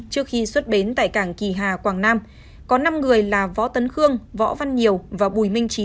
trước khi xuất bến tại cảng kỳ hà quảng nam có năm người là võ tấn khương võ văn nhiều và bùi minh trí